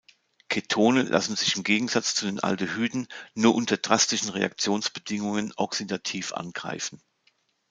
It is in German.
Ketone lassen sich im Gegensatz zu den Aldehyden nur unter drastischen Reaktionsbedingungen oxidativ angreifen.